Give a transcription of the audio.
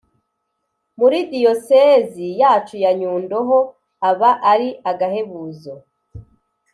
muri diyosezi yacu ya nyundo ho aba ari agahebuzo :